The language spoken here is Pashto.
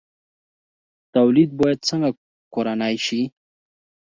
تولید باید څنګه کورنی شي؟